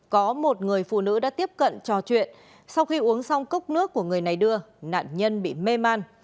có một người phụ nữ đã tiếp cận trò chuyện sau khi uống xong cốc nước của người này đưa nạn nhân bị mê man